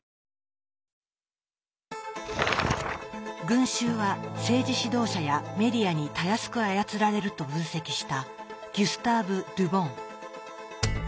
群衆は政治指導者やメディアにたやすく操られると分析したギュスターヴ・ル・ボン。